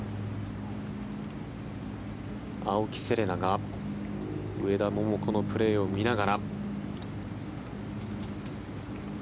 青木瀬令奈が上田桃子のプレーを見ながら。